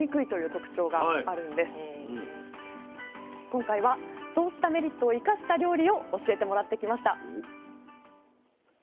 今回はそうしたメリットを生かした料理を教えてもらってきました。